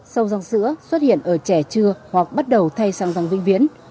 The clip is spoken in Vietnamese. sâu răng sữa xuất hiện ở trẻ chưa hoặc bắt đầu thay sang răng vĩnh viễn